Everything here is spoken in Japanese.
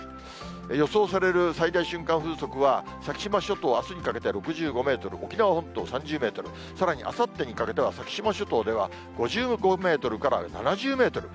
予想される最大瞬間風速は、先島諸島、あすにかけて６５メートル、沖縄本島３０メートル、さらにあさってにかけては、先島諸島では５５メートルから７０メートル。